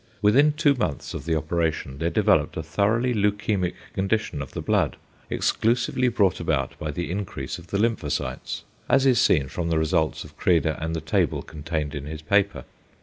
Within two months of the operation there developed a thoroughly leukæmic condition of the blood, exclusively brought about by the increase of the lymphocytes, as is seen from the results of Credé and the table contained in his paper.